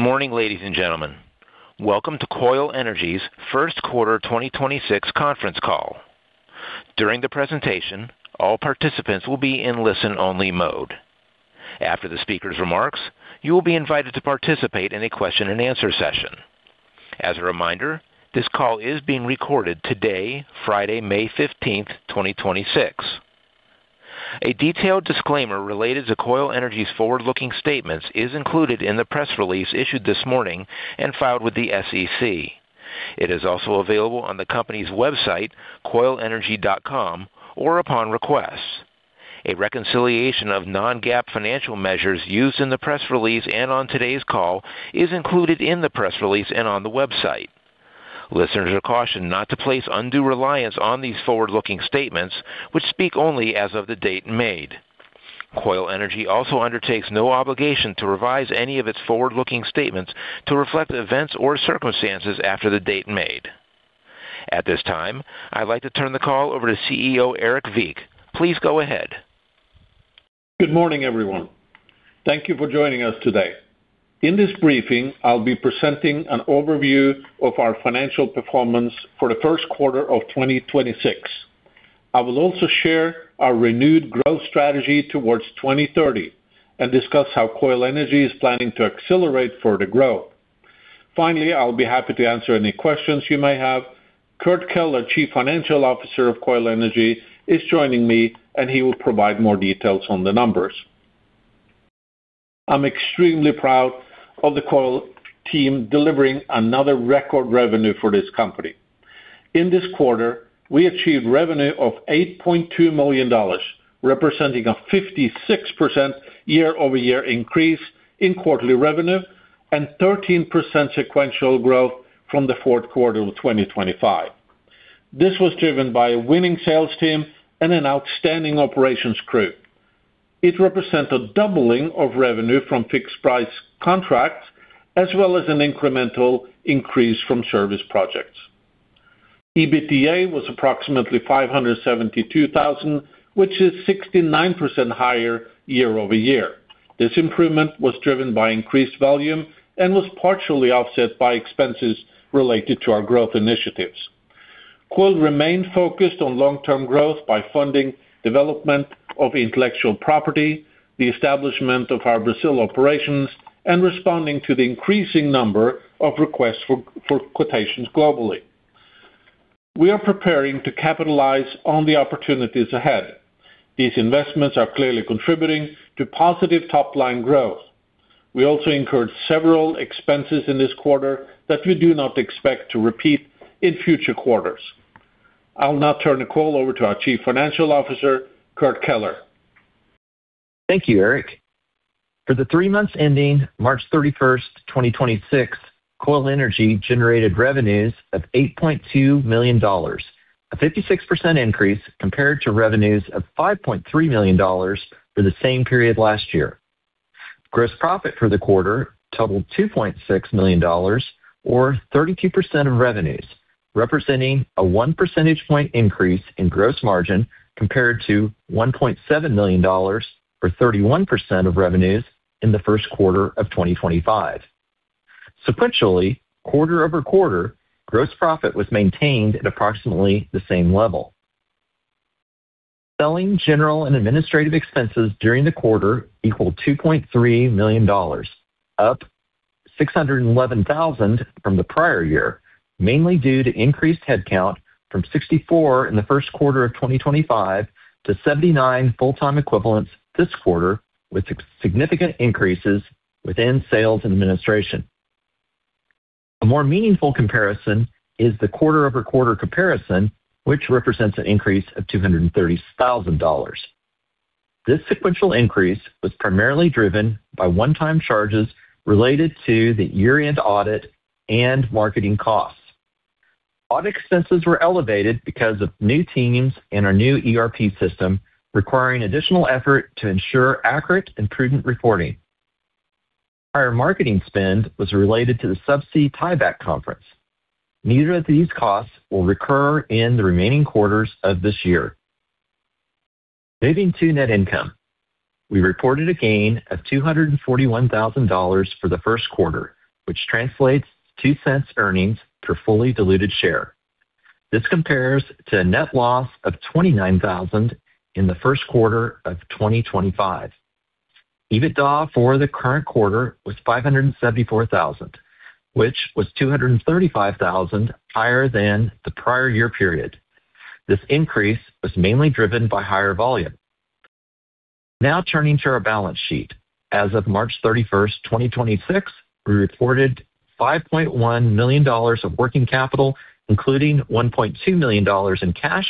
Good morning, ladies and gentlemen. Welcome to Koil Energy's first quarter 2026 conference call. During the presentation, all participants will be in listen-only mode. After the speaker's remarks, you will be invited to participate in a question and answer session. As a reminder, this call is being recorded today, Friday, May 15th, 2026. A detailed disclaimer related to Koil Energy's forward-looking statements is included in the press release issued this morning and filed with the SEC. It is also available on the company's website, koilenergy.com, or upon request. A reconciliation of non-GAAP financial measures used in the press release and on today's call is included in the press release and on the website. Listeners are cautioned not to place undue reliance on these forward-looking statements, which speak only as of the date made. Koil Energy also undertakes no obligation to revise any of its forward-looking statements to reflect events or circumstances after the date made. At this time, I'd like to turn the call over to CEO, Erik Wiik. Please go ahead. Good morning, everyone. Thank you for joining us today. In this briefing, I'll be presenting an overview of our financial performance for the first quarter of 2026. I will also share our renewed growth strategy towards 2030 and discuss how Koil Energy is planning to accelerate further growth. Finally, I'll be happy to answer any questions you may have. Kurt Keller, Chief Financial Officer of Koil Energy, is joining me, and he will provide more details on the numbers. I'm extremely proud of the Koil team delivering another record revenue for this company. In this quarter, we achieved revenue of $8.2 million, representing a 56% year-over-year increase in quarterly revenue and 13% sequential growth from the fourth quarter of 2025. This was driven by a winning sales team and an outstanding operations crew. It represents a doubling of revenue from fixed price contracts as well as an incremental increase from service projects. EBITDA was approximately $572,000, which is 69% higher year-over-year. This improvement was driven by increased volume and was partially offset by expenses related to our growth initiatives. Koil remained focused on long-term growth by funding development of intellectual property, the establishment of our Brazil operations, and responding to the increasing number of requests for quotations globally. We are preparing to capitalize on the opportunities ahead. These investments are clearly contributing to positive top-line growth. We also incurred several expenses in this quarter that we do not expect to repeat in future quarters. I'll now turn the call over to our Chief Financial Officer, Kurt Keller. Thank you, Erik. For the three months ending March 31st, 2026, Koil Energy generated revenues of $8.2 million, a 56% increase compared to revenues of $5.3 million for the same period last year. Gross profit for the quarter totaled $2.6 million or 32% of revenues, representing a 1 percentage point increase in gross margin compared to $1.7 million or 31% of revenues in the first quarter of 2025. Sequentially, quarter-over-quarter, gross profit was maintained at approximately the same level. Selling general and administrative expenses during the quarter equaled $2.3 million, up $611,000 from the prior year, mainly due to increased headcount from 64 in the first quarter of 2025 to 79 full-time equivalents this quarter, with significant increases within sales and administration. A more meaningful comparison is the quarter-over-quarter comparison, which represents an increase of $230,000. This sequential increase was primarily driven by one-time charges related to the year-end audit and marketing costs. Audit expenses were elevated because of new teams and our new ERP system, requiring additional effort to ensure accurate and prudent reporting. Our marketing spend was related to the Subsea Tieback Conference. Neither of these costs will recur in the remaining quarters of this year. Moving to net income. We reported a gain of $241,000 for the first quarter, which translates to $0.02 earnings per fully diluted share. This compares to a net loss of $29,000 in the first quarter of 2025. EBITDA for the current quarter was $574,000, which was $235,000 higher than the prior year period. This increase was mainly driven by higher volume. Now turning to our balance sheet. As of March 31st, 2026, we reported $5.1 million of working capital, including $1.2 million in cash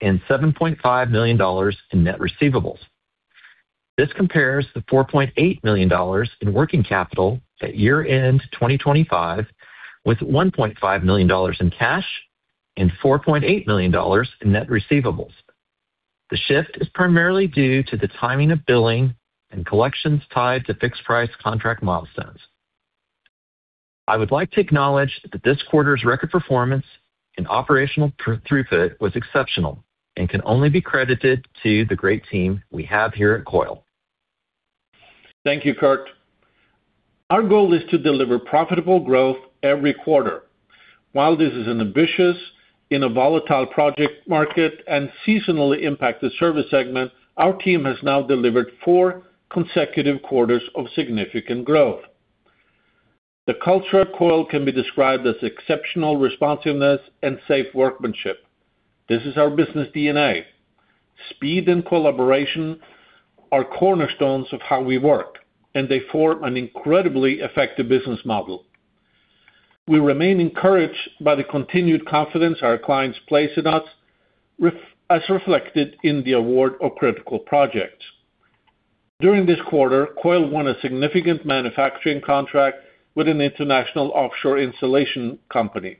and $7.5 million in net receivables. This compares to $4.8 million in working capital at year-end 2025, with $1.5 million in cash and $4.8 million in net receivables. The shift is primarily due to the timing of billing and collections tied to fixed price contract milestones. I would like to acknowledge that this quarter's record performance and operational throughput was exceptional and can only be credited to the great team we have here at Koil. Thank you, Kurt. Our goal is to deliver profitable growth every quarter. While this is ambitious in a volatile project market and seasonally impacted service segment, our team has now delivered four consecutive quarters of significant growth. The culture at Koil can be described as exceptional responsiveness and safe workmanship. This is our business DNA. Speed and collaboration are cornerstones of how we work, and they form an incredibly effective business model. We remain encouraged by the continued confidence our clients place in us as reflected in the award of critical projects. During this quarter, Koil won a significant manufacturing contract with an international offshore installation company.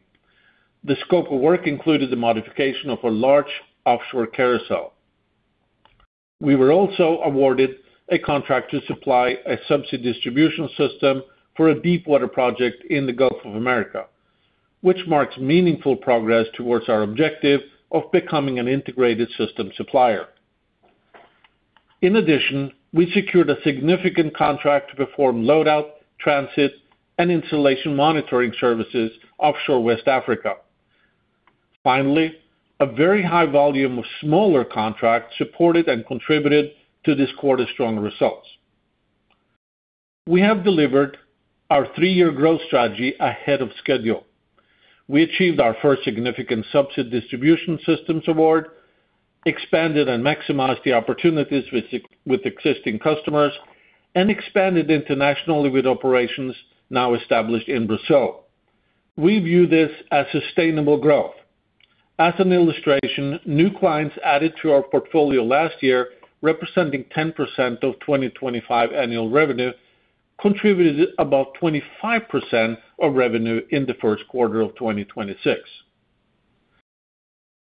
The scope of work included the modification of a large offshore carousel. We were also awarded a contract to supply a subsea distribution system for a deepwater project in the Gulf of Mexico, which marks meaningful progress towards our objective of becoming an integrated system supplier. In addition, we secured a significant contract to perform load-out, transit, and installation monitoring services offshore West Africa. Finally, a very high volume of smaller contracts supported and contributed to this quarter's strong results. We have delivered our three-year growth strategy ahead of schedule. We achieved our first significant subsea distribution systems award, expanded and maximized the opportunities with existing customers, and expanded internationally with operations now established in Brazil. We view this as sustainable growth. As an illustration, new clients added to our portfolio last year representing 10% of 2025 annual revenue contributed about 25% of revenue in the first quarter of 2026.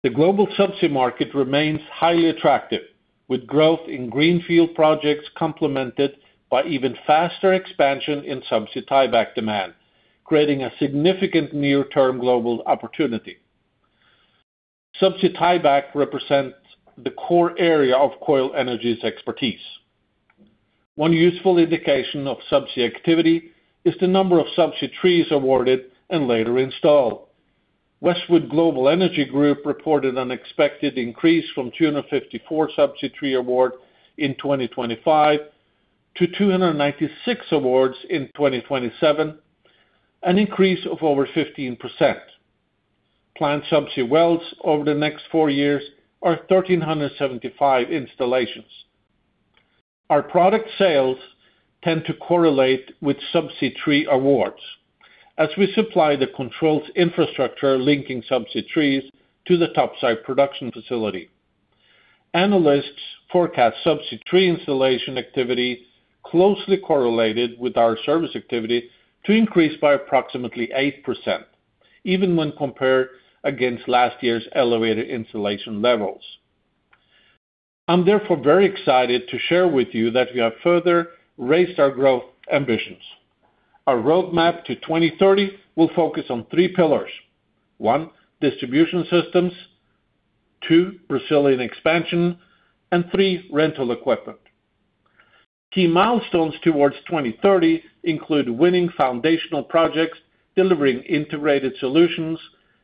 The global subsea market remains highly attractive, with growth in greenfield projects complemented by even faster expansion in subsea tieback demand, creating a significant near-term global opportunity. Subsea tieback represents the core area of Koil Energy's expertise. One useful indication of subsea activity is the number of subsea trees awarded and later installed. Westwood Global Energy Group reported an expected increase from 254 subsea tree awards in 2025 to 296 awards in 2027, an increase of over 15%. Planned subsea wells over the next four years are 1,375 installations. Our product sales tend to correlate with subsea tree awards as we supply the control infrastructure linking subsea trees to the topside production facility. Analysts forecast subsea tree installation activity closely correlated with our service activity to increase by approximately 8%, even when compared against last year's elevated installation levels. I'm therefore very excited to share with you that we have further raised our growth ambitions. Our roadmap to 2030 will focus on three pillars. One, distribution systems. Two, Brazilian expansion. And three, rental equipment. Key milestones towards 2030 include winning foundational projects, delivering integrated solutions,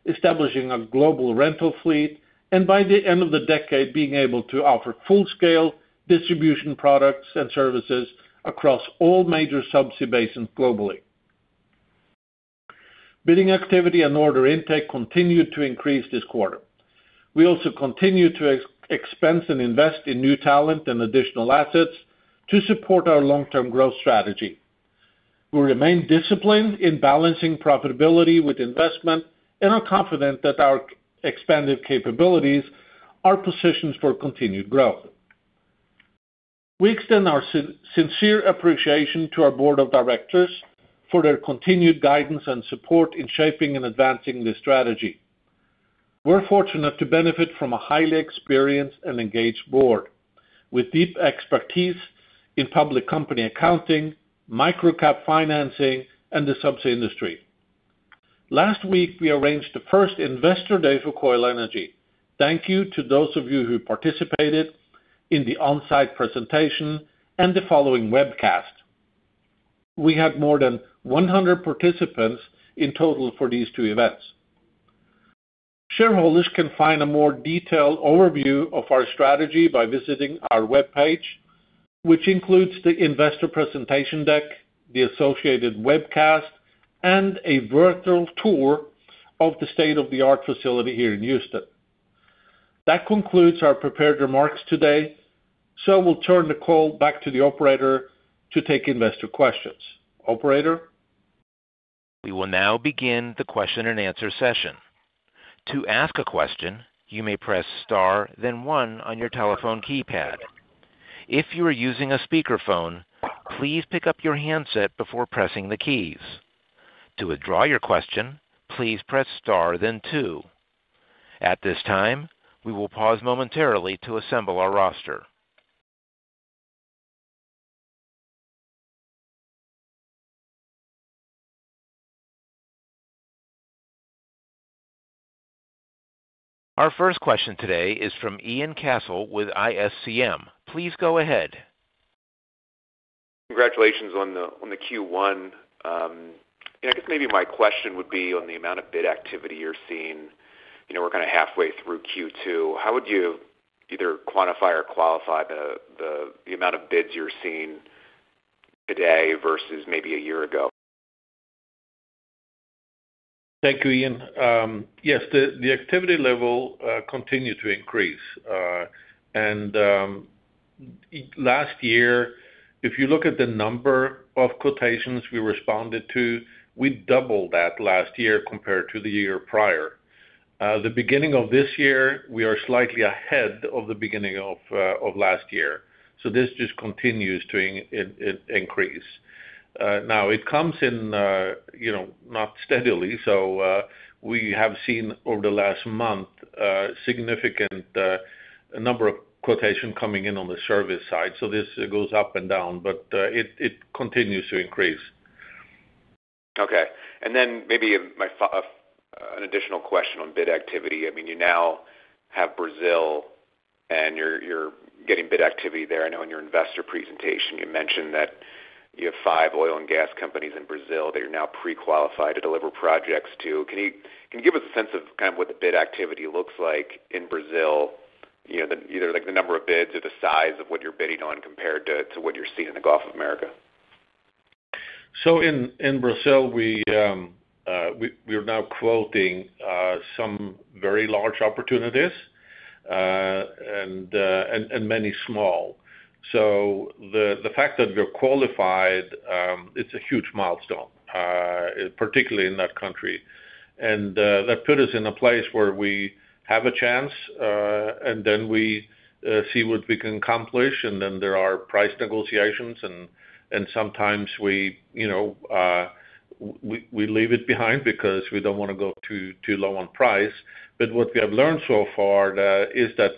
establishing a global rental fleet, and by the end of the decade, being able to offer full-scale distribution products and services across all major subsea basins globally. Bidding activity and order intake continued to increase this quarter. We also continue to expense and invest in new talent and additional assets to support our long-term growth strategy. We remain disciplined in balancing profitability with investment and are confident that our expanded capabilities are positioned for continued growth. We extend our sincere appreciation to our board of directors for their continued guidance and support in shaping and advancing this strategy. We're fortunate to benefit from a highly experienced and engaged board with deep expertise in public company accounting, microcap financing, and the subsea industry. Last week, we arranged the first Investor Day for Koil Energy. Thank you to those of you who participated in the on-site presentation and the following webcast. We had more than 100 participants in total for these two events. Shareholders can find a more detailed overview of our strategy by visiting our webpage, which includes the investor presentation deck, the associated webcast, and a virtual tour of the state-of-the-art facility here in Houston. That concludes our prepared remarks today, so we'll turn the call back to the operator to take investor questions. Operator? We will now begin the question and answer session. To ask a question, you may press star then one on your telephone keypad. If you are using a speakerphone, please pick up your handset before pressing the keys. To withdraw your question, please press star then two. At this time, we will pause momentarily to assemble our roster. Our first question today is from Ian Cassel with IFCM. Please go ahead. Congratulations on the Q1. I guess maybe my question would be on the amount of bid activity you're seeing. You know, we're kind of halfway through Q2. How would you either quantify or qualify the amount of bids you're seeing today versus maybe a year ago? Thank you, Ian. Yes, the activity level continued to increase. Last year, if you look at the number of quotations we responded to, we doubled that last year compared to the year prior. The beginning of this year, we are slightly ahead of the beginning of last year. This just continues to increase. Now it comes in, you know, not steadily. We have seen over the last month, significant number of quotation coming in on the service side. This goes up and down, but it continues to increase. Okay. Maybe an additional question on bid activity. I mean, you now have Brazil and you're getting bid activity there. I know in your investor presentation you mentioned that you have five oil and gas companies in Brazil that you're now pre-qualified to deliver projects to. Can you give us a sense of kind of what the bid activity looks like in Brazil? You know, either like the number of bids or the size of what you're bidding on compared to what you're seeing in the Gulf of America. In Brazil, we're now quoting some very large opportunities and many small. The fact that we're qualified, it's a huge milestone, particularly in that country. That put us in a place where we have a chance, and then we see what we can accomplish. There are price negotiations and sometimes we, you know, we leave it behind because we don't wanna go too low on price. What we have learned so far is that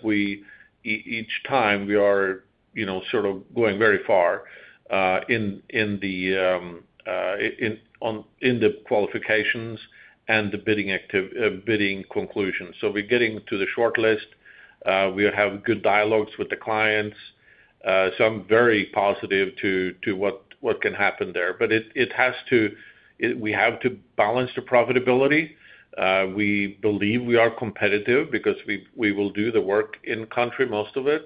each time we are, you know, sort of going very far in the qualifications and the bidding conclusions. We're getting to the shortlist. We have good dialogues with the clients. I'm very positive to what can happen there. We have to balance the profitability. We believe we are competitive because we will do the work in country, most of it.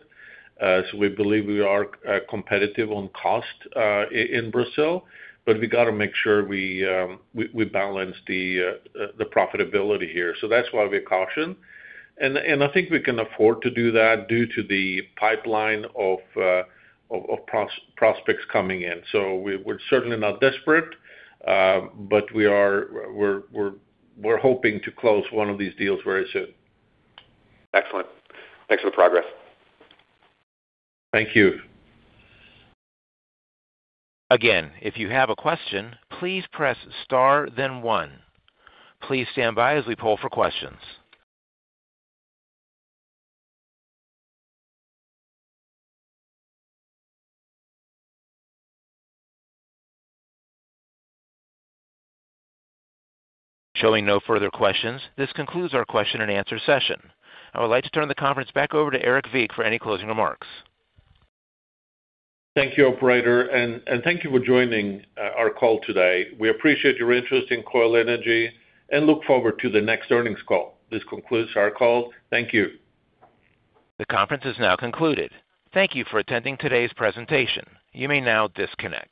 We believe we are competitive on cost in Brazil, but we gotta make sure we balance the profitability here. That's why we caution. I think we can afford to do that due to the pipeline of prospects coming in. We're certainly not desperate, but we are hoping to close one of these deals very soon. Excellent. Thanks for the progress. Thank you. I would like to turn the conference back over to Erik Wiik for any closing remarks. Thank you, operator, and thank you for joining our call today. We appreciate your interest in Koil Energy and look forward to the next earnings call. This concludes our call. Thank you. The conference is now concluded. Thank you for attending today's presentation. You may now disconnect.